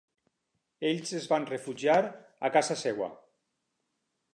Ells es van refugiar a casa seva.